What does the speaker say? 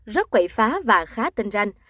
rất quậy phá và khá tinh ranh